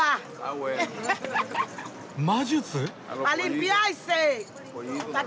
魔術！？